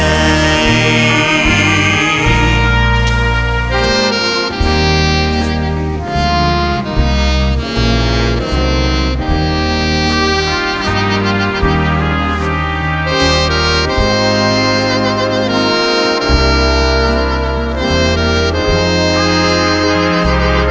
รักทั้งหมุนทั้งหมุน